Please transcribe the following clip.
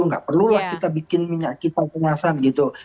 tidak perlulah kita membuat minyak kita kemasan gitu